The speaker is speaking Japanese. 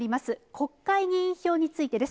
国会議員票についてです。